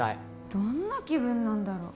どんな気分なんだろう